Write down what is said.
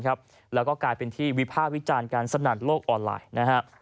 แล้วก็กลายเป็นที่วิภาพวิจารณ์การสนัดโลกออนไลน์